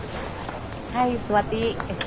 はい座って。